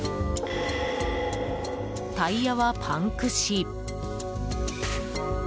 タイヤはパンクし。